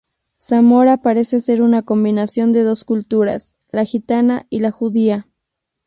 Zamora parece ser una combinación de dos culturas; la gitana y la judía.